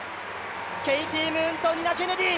ケイティ・ムーンとニナ・ケネディ。